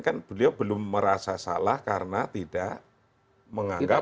kan beliau belum merasa salah karena tidak menganggap